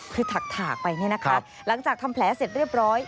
คือถักไปเนี่ยนะคะหลังจากทำแผลเสร็จเรียบร้อย